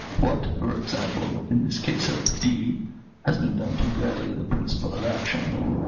What, for example, in this case of D , has been done to vary the principle of action?